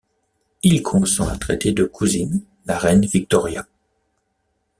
Il consent à traiter de cousine la reine Victoria.